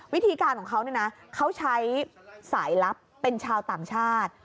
วิธีการของเขาเนี่ยนะเขาใช้สายลับเป็นชาวต่างชาติ